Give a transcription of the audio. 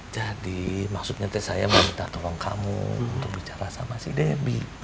jadi maksudnya saya minta tolong kamu untuk bicara sama si debbie